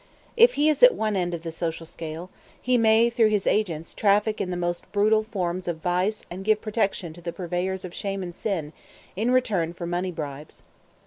If he is at one end of the social scale, he may through his agents traffic in the most brutal forms of vice and give protection to the purveyors of shame and sin in return for money bribes.